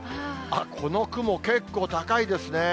この雲、結構高いですね。